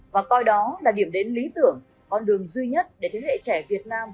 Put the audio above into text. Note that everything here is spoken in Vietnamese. và coi đó là điểm đến lý tưởng con đường duy nhất để thế hệ trẻ việt nam